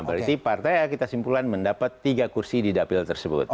berarti partai kita simpulan mendapat tiga kursi di dapil tersebut